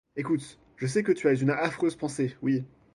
Écoute, je sais que tu as une affreuse pensée, oui!